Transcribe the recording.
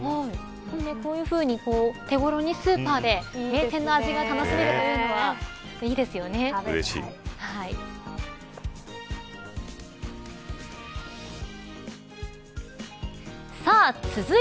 こういうふうに手頃にスーパーで名店の味が楽しめるというのは食べたい。